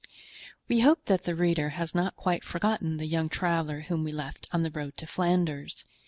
We hope that the reader has not quite forgotten the young traveler whom we left on the road to Flanders.